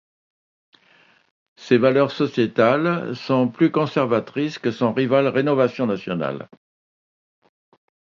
Ses valeurs sociétales sont plus conservatrices que son rival Rénovation nationale.